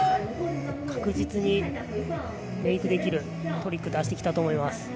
確実にメイクできるトリックを出してきたと思います。